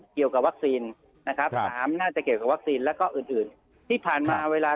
๒เกี่ยวกับวัคซีน๓น่าจะเกี่ยวกับวัคซีนและก็อื่นที่ผ่านมาเวลา